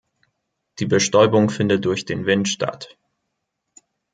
Die Bestäubung findet durch den Wind statt.